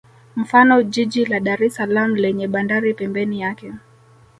Mfano jiji la Dar es salaam lenye bandari pembeni yake